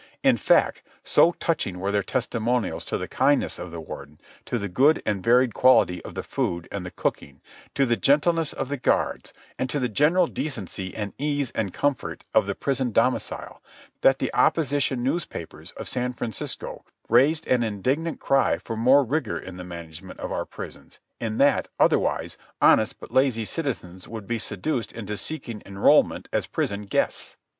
In fact, so touching were their testimonials to the kindness of the Warden, to the good and varied quality of the food and the cooking, to the gentleness of the guards, and to the general decency and ease and comfort of the prison domicile, that the opposition newspapers of San Francisco raised an indignant cry for more rigour in the management of our prisons, in that, otherwise, honest but lazy citizens would be seduced into seeking enrolment as prison guests.